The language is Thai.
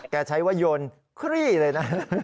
ใช้ว่ายนครี่เลยนะ